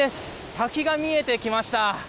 滝が見えてきました。